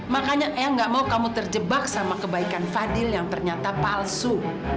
makanya eh gak mau kamu terjebak sama kebaikan fadil yang ternyata palsu